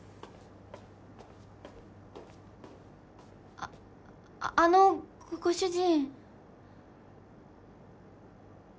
ああのご主人。